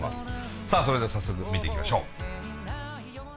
さあそれでは早速見ていきましょう。